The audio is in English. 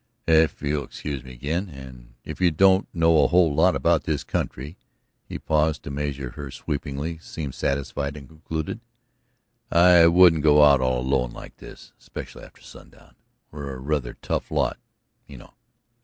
"If you'll excuse me again, and if you don't know a whole lot about this country ..." He paused to measure her sweepingly, seemed satisfied, and concluded: "I wouldn't go out all alone like this; especially after sundown. We're a rather tough lot, you know.